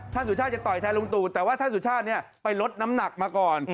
สุชาติจะต่อยแทนลุงตู่แต่ว่าท่านสุชาติไปลดน้ำหนักมาก่อน